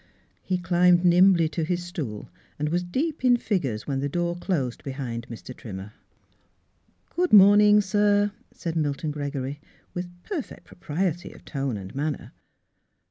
He climbed nimbly to his stool and was deep in figures when the door closed be hind Mr. Trimmer. " Good morning, sir," said Milton Gregory, with perfect propriety of tone and manner.